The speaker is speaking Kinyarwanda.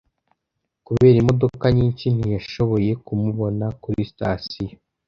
Kubera imodoka nyinshi, ntiyashoboye kumubona kuri sitasiyo.